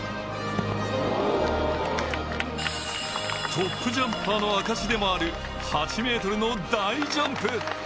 トップジャンパーの証しでもある８ｍの大ジャンプ。